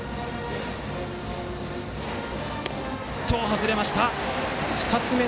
外れました。